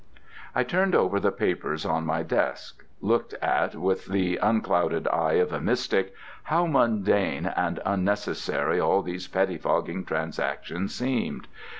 I turned over the papers on my desk. Looked at with the unclouded eye of a mystic, how mundane and unnecessary all these pettifogging transactions seemed.